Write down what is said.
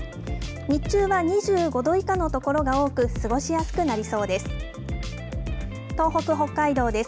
日中は２５度以下の所が多く、過ごしやすくなりそうです。